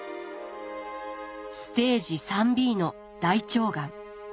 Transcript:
ステージ３ｂの大腸がん。